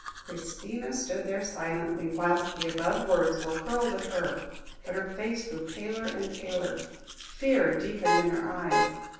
Christina stood there silently whilst the above words were hurled at her, but her face grew paler and paler, fear deepened in her eyes.